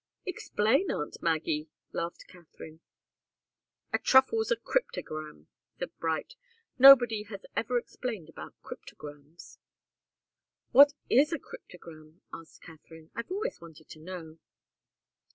"Explain, aunt Maggie!" laughed Katharine. "A truffle's a cryptogam," said Bright. "Nobody has ever explained about cryptogams." "What is a cryptogam?" asked Katharine. "I've always wanted to know."